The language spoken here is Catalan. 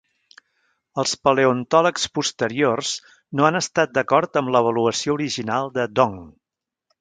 Els paleontòlegs posteriors no han estat d'acord amb l'avaluació original de Dong.